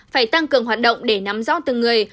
phải tăng cường hoạt động để nắm gió từng người